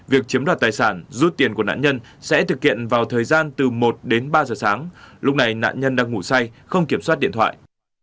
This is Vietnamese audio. việc chiếm đoạt tài sản rút tiền của nạn nhân sẽ thực hiện vào thời gian từ một đến ba giờ sáng lúc này nạn nhân đang ngủ say không kiểm soát điện thoại